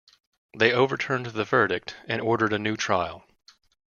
They overturned the verdict and ordered a new trial.